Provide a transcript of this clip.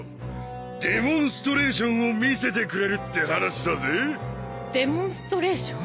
デモンストレーションを見せてくれるって話だぜデモンストレーション？